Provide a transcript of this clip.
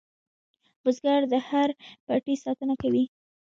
بزګر د هر پټي ساتنه کوي